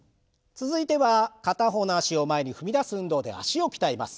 続いては片方の脚を前に踏み出す運動で脚を鍛えます。